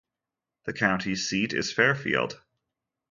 The county seat is Fairfield.